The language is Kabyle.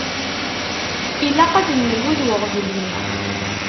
Ilaq ad d-nelhu d uɣbel-nni.